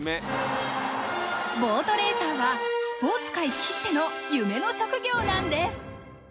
ボートレーサーはスポーツ界きっての夢の職業なんです。